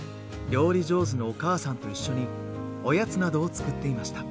料理上手のお母さんと一緒におやつなどを作っていました。